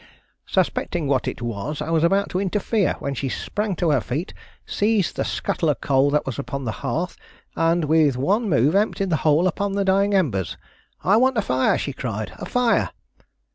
Suspecting what it was, I was about to interfere, when she sprang to her feet, seized the scuttle of coal that was upon the hearth, and with one move emptied the whole upon the dying embers. 'I want a fire,' she cried, 'a fire!